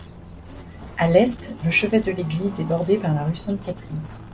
À l'est, le chevet de l'église est bordé par la rue Sainte-Catherine.